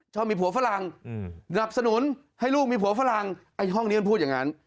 มีผัวฝรั่งสนับสนุนให้ลูกมีผัวฝรั่งไอ้ห้องนี้มันพูดอย่างนั้น